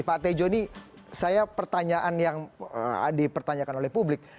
pak tejo ini saya pertanyaan yang dipertanyakan oleh publik